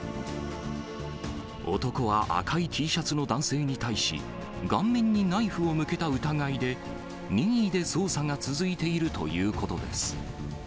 男は赤いＴシャツの男性に対し、顔面にナイフを向けた疑いで、任意で捜査が続いているということです。